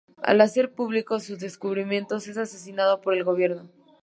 Al hacer público sus descubrimientos es asesinado por el gobierno.